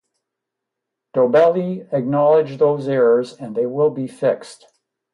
Dobelli acknowledged those errors and they will be fixed.